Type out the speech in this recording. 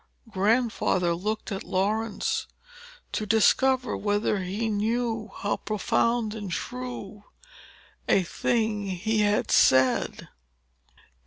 Grandfather looked at Laurence, to discover whether he knew how profound and true a thing he had said.